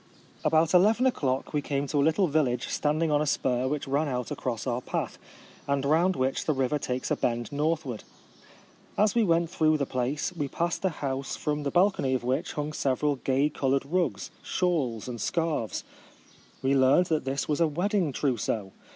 About eleven o'clock we came to a little village standing on a spur which ran out across our path, and round which the river takes a bend northward. As we went through the place, we passed a house from the balcony of which hung several gay coloured rugs, shawls, and scarves. We learnt that this was a wedding trousseau.